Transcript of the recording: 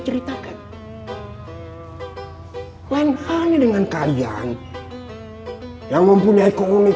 ceritakan lempanya dengan kalian yang mempunyai keunikan itu yang mempunyai kebudayaan itu tidak